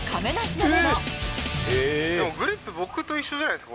でもグリップ、僕と一緒じゃないですか？